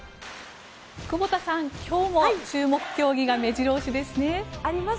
久保田さん、今日も注目競技が目白押しですね。あります。